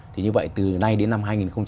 thì như vậy từ nay đến năm hai nghìn hai mươi